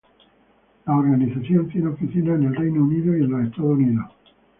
La Organización tiene oficinas en Reino Unido y los Estados Unidos.